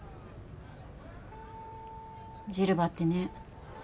ジルバってね